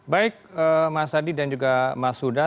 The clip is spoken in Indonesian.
baik mas hadi dan juga mas huda